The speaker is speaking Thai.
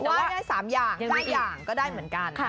ว่าได้๓อย่าง๓อย่างก็ได้เหมือนกัน